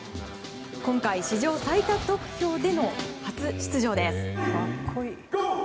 今回、史上最多得票での初出場です。